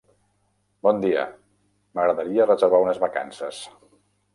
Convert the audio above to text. Bon dia, m'agradaria reservar unes vacances.